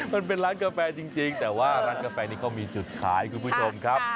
มันเป็นร้านกาแฟจริงแต่ว่าร้านกาแฟนี่เขามีจุดขายคุณผู้ชมครับ